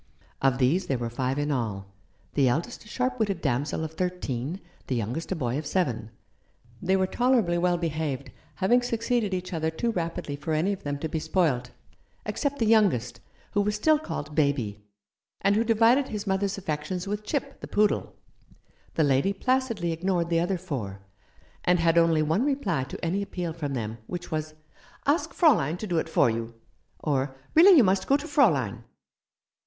Of these there were five in all — the eldest a sharp witted damsel of thirteen, the youngest a boy of seven. They were tolerably well behaved, having succeeded each other too rapidly for any of them to be spoilt, except the youngest, who was still called Baby, and who divided his mother's affections with Chip, the poodle. The lady placidly ignored the other four, and had only one reply to any appeal from them, which was, "Ask Fraulein to do it for you," or "Really you must go to Fraulein."